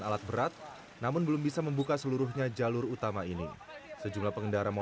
akibatnya korban longsor harus berjalan kaki